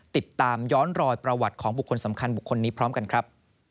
ติดตามย้อนรอยประวัติของบุคคลสำคัญบุคคลนี้พร้อมกันครับ